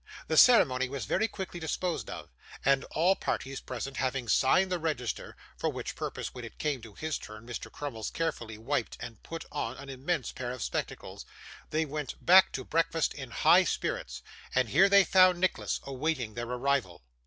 The ceremony was very quickly disposed of, and all parties present having signed the register (for which purpose, when it came to his turn, Mr. Crummles carefully wiped and put on an immense pair of spectacles), they went back to breakfast in high spirits. And here they found Nicholas awaiting their arrival.